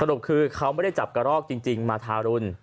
รุปคือเขาไม่ได้จับกระรอกจริงมาทารุณ